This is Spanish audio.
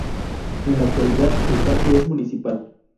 En la actualidad el parque es municipal.